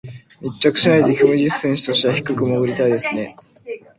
密着しないでキム・ジス選手としては低く潜りたいですね。